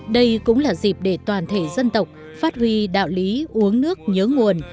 đây cũng là dịp để toàn thể dân tộc phát huy đạo lý uống nước nhớ nguồn